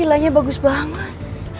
ini vilanya bagus banget